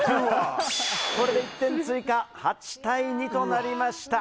これで１点追加８対２となりました。